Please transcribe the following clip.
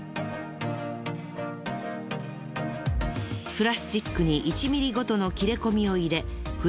プラスチックに１ｍｍごとの切れ込みを入れ筆